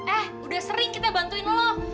eh udah sering kita bantuin lo